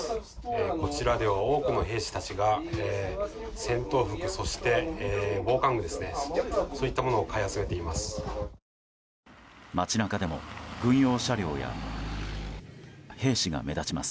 こちらでは多くの兵士たちが戦闘服そして防寒具といったものを買い集めています。